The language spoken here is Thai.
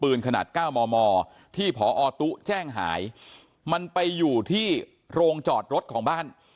ขนาด๙มมที่พอตุ๊แจ้งหายมันไปอยู่ที่โรงจอดรถของบ้าน